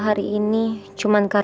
maksudnya sama sekali